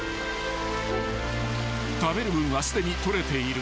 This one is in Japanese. ［食べる分はすでにとれている］